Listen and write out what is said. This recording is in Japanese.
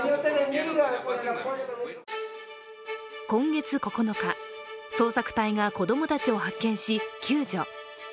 今月９日、捜索隊が子供たちを発見し救助。